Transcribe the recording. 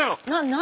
何？